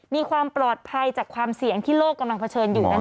มีความปลอดภัยจากความเสี่ยงที่โลกกำลังเผชิญอยู่นั้น